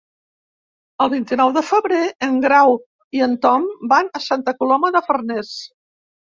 El vint-i-nou de febrer en Grau i en Tom van a Santa Coloma de Farners.